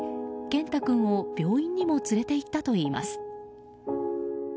けんた君を病院にも連れて行ったといいます。